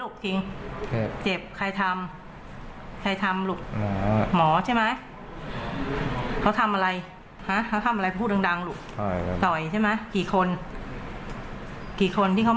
รูปจริงเจ็บใครทำใครทำหรูหมอใช่ไหมเขาทำอะไรเขาทำอะไร